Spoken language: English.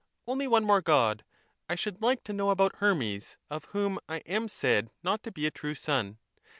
Only one more God ! I should like to know about Hermes, of whom I am said not to be a true son.